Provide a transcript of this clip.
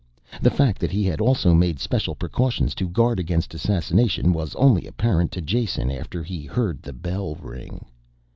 The fact that he had also made special precautions to guard against assassination was only apparent to Jason after he heard the bell ring.